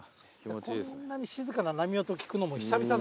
こんなに静かな波音聞くのも久々だね。